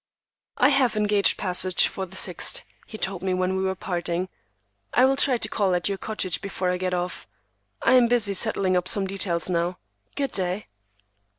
"I have engaged passage for the 6th," he told me when we were parting; "I will try to call at your cottage before I get off. I am busy settling up some details now. Good day."